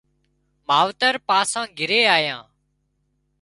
ماوترپاسان گھرِي آيان